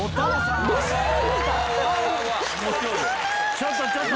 「ちょっとちょっと」